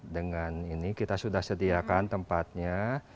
dengan ini kita sudah sediakan tempatnya